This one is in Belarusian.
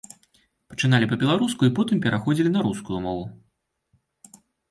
Пачыналі па-беларуску і потым пераходзілі на рускую мову.